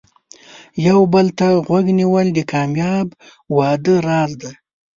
یو بل ته غوږ نیول د کامیاب واده راز دی.